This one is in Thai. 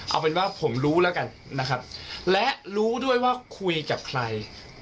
เอาเป็นว่าผมรู้แล้วกันนะครับและรู้ด้วยว่าคุยกับใคร